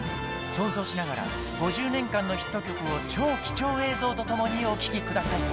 想像しながら５０年間のヒット曲を超貴重映像とともにお聴きください